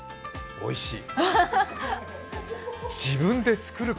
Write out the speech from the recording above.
おいしい！